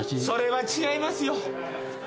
それは違いますよ。